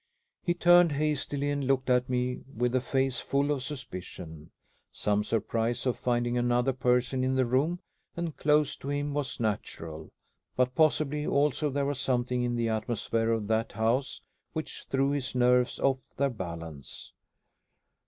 He turned hastily and looked at me with a face full of suspicion. Some surprise on finding another person in the room and close to him was natural; but possibly also there was something in the atmosphere of that house which threw his nerves off their balance.